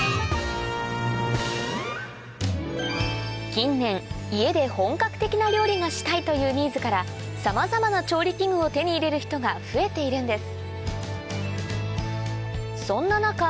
近年家で本格的な料理がしたいというニーズからさまざまな調理器具を手に入れる人が増えているんです